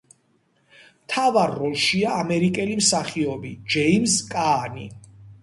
მთავარ როლშია ამერიკელი მსახიობი ჯეიმზ კაანი.